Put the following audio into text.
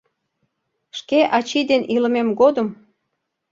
Шке ачий ден илымем годым